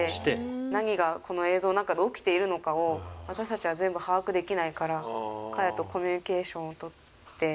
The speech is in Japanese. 何がこの映像の中で起きているのかを私たちは全部把握できないから彼とコミュニケーションを取って。